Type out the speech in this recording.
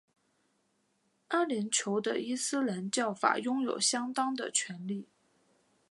阿联酋的伊斯兰教法拥有相当的权力。